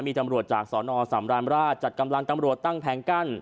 มีตำรวจจากสนสำราญราชจัดกำลังตำรวจตั้งแผงกั้น